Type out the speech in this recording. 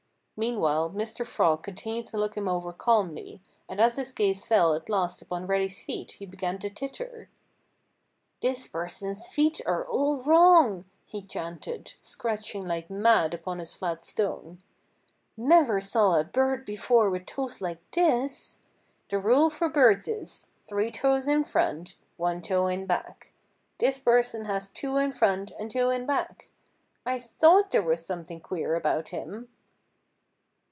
Meanwhile Mr. Frog continued to look him over calmly, and as his gaze fell at last upon Reddy's feet he began to titter. "This person's feet are all wrong," he chanted, scratching like mad upon his flat stone. "Never saw a bird before with toes like his. The rule for birds is: three toes in front, one toe in back. This person has two in front and two in back. I thought there was something queer about him."